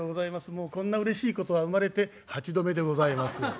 もうこんなうれしいことは生まれて８度目でございます。